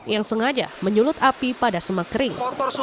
yang sengaja menyulut api pada semak kering